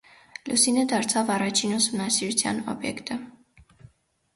Լուսինը դարձավ առաջին ուսումնասիրության օբյեկտը։